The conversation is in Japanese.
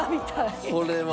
これは。